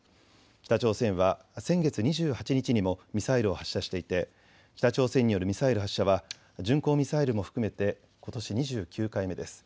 北朝鮮は先月２８日にもミサイルを発射していて北朝鮮によるミサイル発射は巡航ミサイルも含めてことし２９回目です。